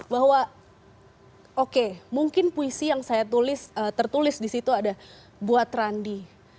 bahwa oke mungkin puisi yang saya tulis tertulis di situ ada buat randi